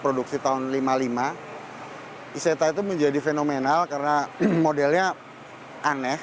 produksi tahun seribu sembilan ratus lima puluh lima iseta itu menjadi fenomenal karena modelnya aneh